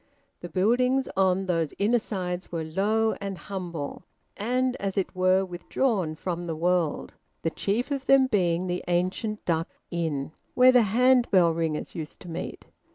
The buildings on those inner sides were low and humble and, as it were, withdrawn from the world, the chief of them being the ancient Duck Inn, where the hand bell ringers used to meet.